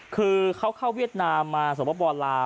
คือเข้าเวียดนามมาสมบัติว่าบ่อลา